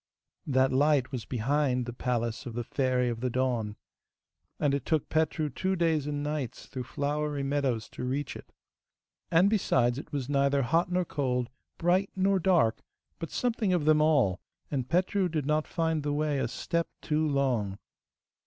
That light was behind the palace of the Fairy of the Dawn, and it took Petru two days and nights through flowery meadows to reach it. And besides, it was neither hot nor cold, bright nor dark, but something of them all, and Petru did not find the way a step too long.